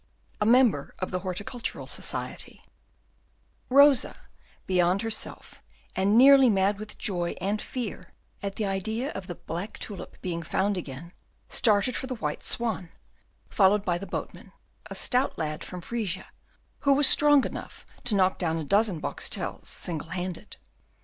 A Member of the Horticultural Society Rosa, beyond herself and nearly mad with joy and fear at the idea of the black tulip being found again, started for the White Swan, followed by the boatman, a stout lad from Frisia, who was strong enough to knock down a dozen Boxtels single handed.